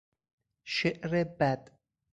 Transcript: شعر بد